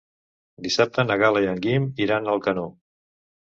Dissabte na Gal·la i en Guim iran a Alcanó.